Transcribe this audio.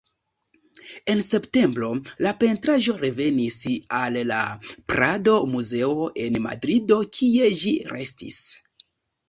En septembro, la pentraĵo revenis al la Prado-Muzeo en Madrido, kie ĝi restis.